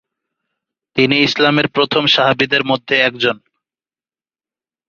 তিনি ইসলামের প্রথম সাহাবীদের মধ্যে একজন।